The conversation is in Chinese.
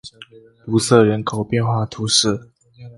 瑟卢人口变化图示